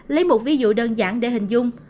lấy một ví dụ đơn giản để hình dung